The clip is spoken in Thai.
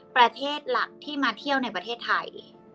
ประเทศหลักที่มาเที่ยวในประเทศไทย